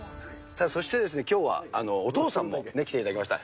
そしてですね、きょうはお父さんも来ていただきました。